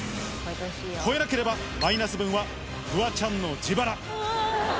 超えなければ、マイナス分はフワちゃんの自腹。